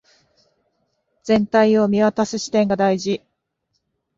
全体を見渡す視点が大事